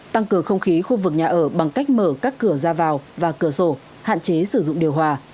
tăng cường không khí khu vực nhà ở bằng cách mở các cửa ra vào và cửa sổ hạn chế sử dụng điều hòa